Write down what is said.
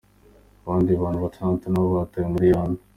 Abandi bantu batandatu na bo batawe muri yombi.